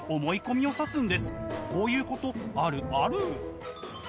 こういうことあるある。